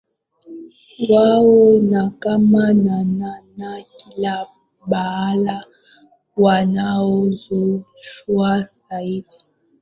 wao na kama na na na kila mahala wanaongozwa zaidi